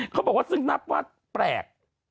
เขาบอกว่าซึ่งนับว่าแปลก